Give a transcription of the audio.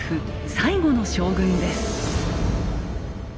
最後の将軍です。